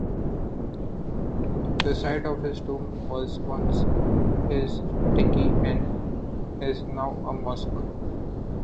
The site of his tomb was once his Tekke and is now a mosque.